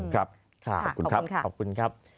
ขอบคุณครับ